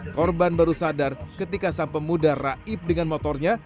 korban baru sadar ketika sang pemuda raib dengan motornya